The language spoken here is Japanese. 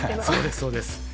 そうですそうです。